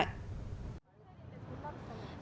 việc ủy ban hiến pháp khuyến nghị